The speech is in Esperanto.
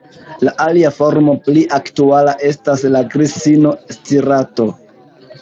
La alia formo pli aktuala estas la "grissino stirato".